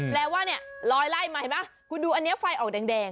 แปลว่าลอยไล่มาเห็นมั้ยคุณดูอันนี้ไฟออกแดง